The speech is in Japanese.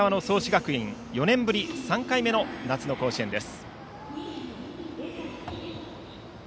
学園４年ぶり３回目の夏の甲子園です。